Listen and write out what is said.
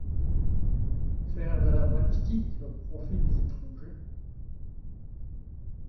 Faire de la balistique au profit des étrangers!